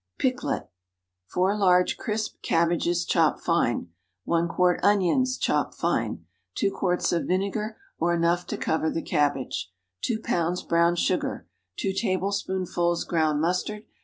PICKLETTE. ✠ 4 large crisp cabbages, chopped fine. 1 quart onions, chopped fine. 2 quarts of vinegar, or enough to cover the cabbage. 2 lbs. brown sugar. 2 tablespoonfuls ground mustard.